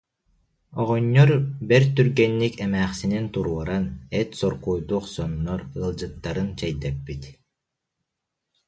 Оҕонньор бэрт түргэнник эмээхсинин туруоран, эт соркуойдуу охсоннор, ыалдьыттарын чэйдэппит